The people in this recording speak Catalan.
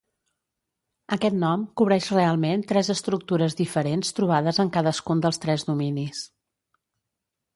Aquest nom cobreix realment tres estructures diferents trobades en cadascun dels tres dominis.